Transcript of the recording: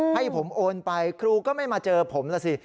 ให้ผมโอนไปครูก็ไม่มาเจอผมล่ะสิ